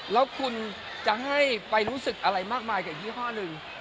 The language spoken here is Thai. แล้วคุณจะให้ไปรู้สึกอะไรมากมายกับยี่ห้อหนึ่ง